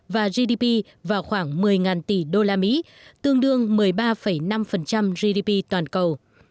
và gdp vào khoảng một mươi tỷ usd tương đương một mươi ba năm gdp toàn cầu